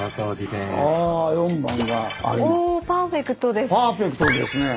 おパーフェクトです。